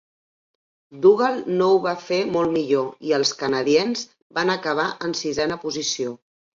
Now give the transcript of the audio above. Dugal no ho va fer molt millor i els Canadiens van acabar en sisena posició.